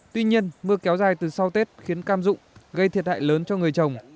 tuy nhiên mưa kéo dài từ sau tết khiến cam rụng gây thiệt hại lớn cho người trồng